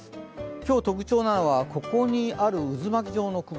今日特徴なのは、ここにある渦巻き状の雲。